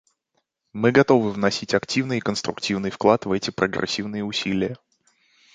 Мы готовы вносить активный и конструктивный вклад в эти прогрессивные усилия.